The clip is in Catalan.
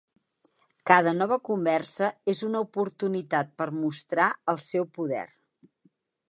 Cada nova conversa és una oportunitat per mostrar el seu poder.